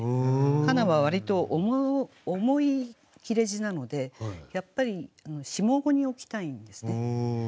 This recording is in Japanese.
「かな」は割と重い切字なのでやっぱり下五に置きたいんですね。